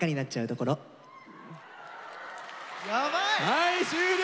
はい終了！